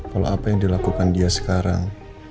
kalau apa yang dilakukan dia sekarang